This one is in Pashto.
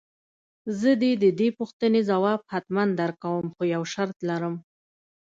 زه دې د دې پوښتنې ځواب حتماً درکوم خو يو شرط لرم.